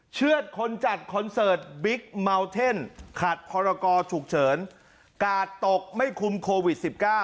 เชื่อดคนจัดคอนเสิร์ตบิ๊กเมาเท่นขัดพรกรฉุกเฉินกาดตกไม่คุมโควิด๑๙